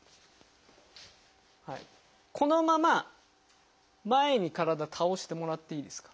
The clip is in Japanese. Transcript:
このまま前に体倒してもらっていいですか？